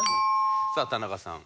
さあ田中さん。